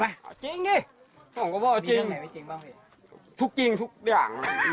พูดเหมือนเดิมคือพูดอะไร